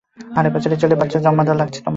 আহারে বেচারি, জেলে বাচ্চা জন্ম দেয়া লাগছে তোমার।